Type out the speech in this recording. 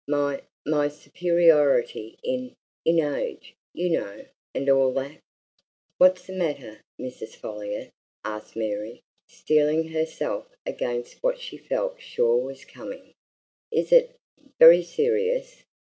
My my superiority in in age, you know, and all that!" "What's the matter, Mrs. Folliot?" asked Mary, steeling herself against what she felt sure was coming. "Is it very serious?